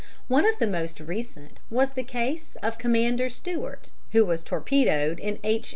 One of the most recent was the case of Commander Stewart, who was torpedoed in H.